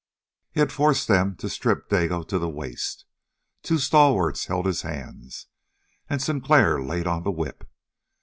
He forced them to strip Dago to the waist. Two stalwarts held his hands, and Sinclair laid on the whip.